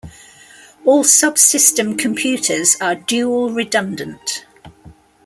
All subsystem computers are dual redundant.